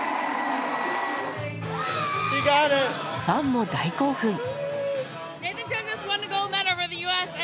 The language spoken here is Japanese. ファンも大興奮！